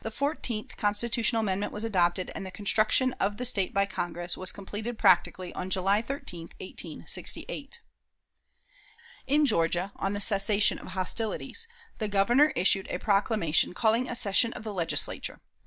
The fourteenth constitutional amendment was adopted, and the construction of the State by Congress was completed practically on July 13, 1868. In Georgia, on the cessation of hostilities, the Governor issued a proclamation calling a session of the Legislature.